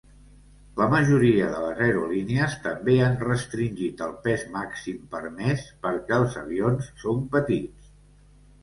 La majoria de les aerolínies també han restringit el pes màxim permès perquè els avions són petits.